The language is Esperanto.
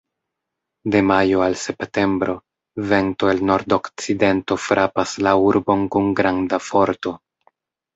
De majo al septembro, vento el nordokcidento frapas la urbon kun granda forto.